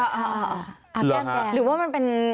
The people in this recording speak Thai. แก้มแดงหรือว่ามันเป็น